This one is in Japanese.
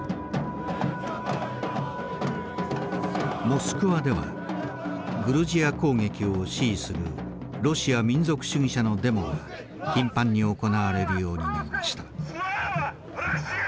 モスクワではグルジア攻撃を支持するロシア民族主義者のデモが頻繁に行われるようになりました。